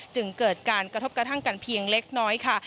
จึงเกิดการกระทบกระทั่งกันเพียงเล็กน้อยค่ะ